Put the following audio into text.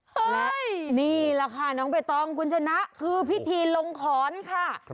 นี่แหละค่ะน้องใบตองคุณชนะคือพิธีลงขอนค่ะ